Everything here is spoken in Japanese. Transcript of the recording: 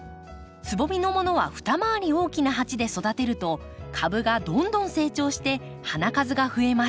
つぼみのものは二回り大きな鉢で育てると株がどんどん成長して花数が増えます。